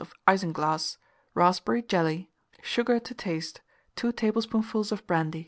of isinglass, raspberry jelly, sugar to taste, 2 tablespoonfuls of brandy.